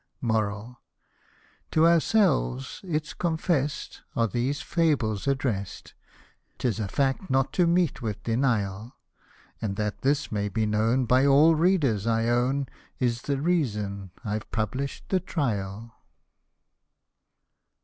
To ourselves, it's confess'd, are these fables address'd , 'Tis a fact not to meet with denial ; And that this may be known by all readers, I own, Is the reason I've publish'd the trial.